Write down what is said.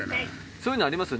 そういうのありますよ。